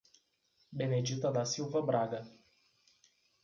Benedita da Silva Braga